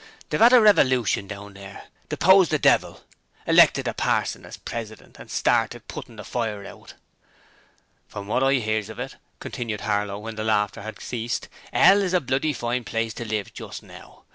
They've 'ad a revolution down there: deposed the Devil, elected a parson as President, and started puttin' the fire out.' 'From what I hears of it,' continued Harlow when the laughter had ceased, ''ell is a bloody fine place to live in just now.